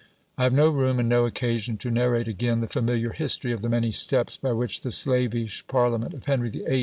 I have no room and no occasion to narrate again the familiar history of the many steps by which the slavish Parliament of Henry VIII.